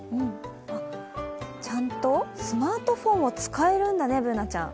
ちゃんとスマートフォンを使えるんだね、Ｂｏｏｎａちゃん。